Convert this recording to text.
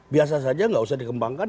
biasa saja nggak usah dikembangkan